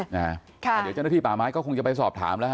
เดี๋ยวเจ้าหน้าที่ป่าไม้ก็คงจะไปสอบถามแล้วฮ